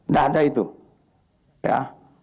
nggak ada itu ya